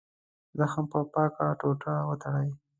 زخم په پاکه ټوټه وتړئ.